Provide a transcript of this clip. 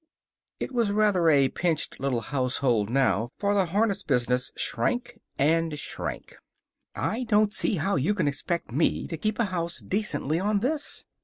It was rather a pinched little household now, for the harness business shrank and shrank. "I don't see how you can expect me to keep house decently on this!"